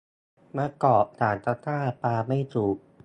มะกอกสามตะกร้า ปาไม่ถูก